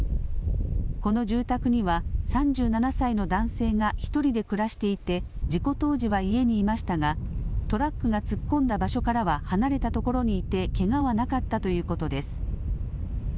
この住宅には３７歳の男性が１人で暮らしていて事故当時は家にいましたがトラックが突っ込んだ場所からは離れた所にいてけがはなかったということです。